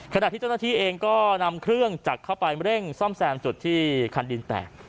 ขณะที่เจ้าหน้าที่เองก็นำเครื่องจักรเข้าไปเร่งซ่อมแซมจุดที่คันดินแตก